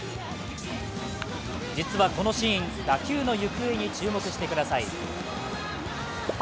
実は、このシーン、打球の行方に注目してください。